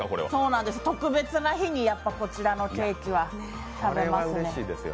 特別な日に、こちらのケーキは食べますね。